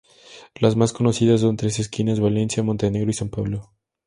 Las más conocidas son Tres Esquinas, Valencia, Montenegro y San Pablo.